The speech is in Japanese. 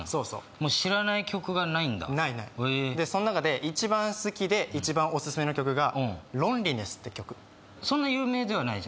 もう知らない曲がないんだないないでその中で一番好きで一番オススメの曲がロンリネスって曲そんな有名ではないじ